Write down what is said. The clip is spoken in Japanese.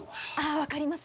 分かります。